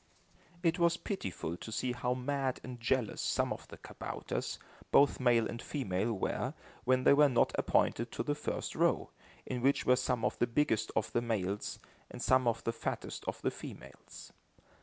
It was pitiful to see how mad and jealous some of the kabouters, both male and female, were, when they were not appointed to the first row, in which were some of the biggest of the males, and some of the fattest of the females.